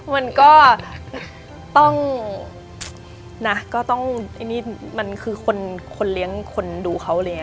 มันก็ต้องน่ะก็ต้องอันนี้มันคือคนเลี้ยงคนดูเขาเลย